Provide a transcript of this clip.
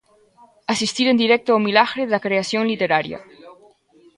Asistir en directo ao milagre da creación literaria.